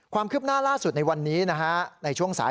ความคืบหน้าล่าสุดในวันนี้นะฮะในช่วงสาย